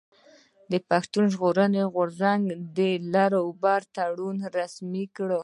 پښتون ژغورني غورځنګ د لر او بر تړون رسمي کړ.